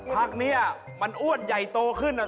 พักนี้มันอ้วนใหญ่โตขึ้น